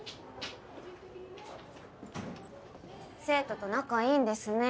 生徒と仲いいんですね。